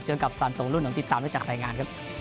เจอกับสารตรงรุ่นหนึ่งติดตามด้วยจากรายงาน